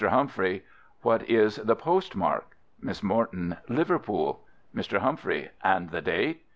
Humphrey: What is the post mark? Miss Morton: Liverpool. Mr. Humphrey: And the date?